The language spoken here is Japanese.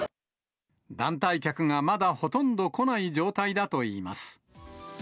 団体客がまだほとんど来ない状態だといいます。